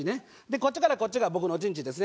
こっちからこっちが僕の陣地ですね。